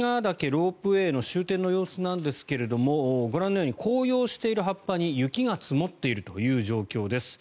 ロープウェイの終点の様子なんですがご覧のように紅葉している葉っぱに雪が積もっているという状況です。